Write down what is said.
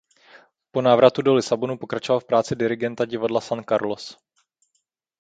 Po návratu do Lisabonu pokračoval v práci dirigenta divadla San Carlos.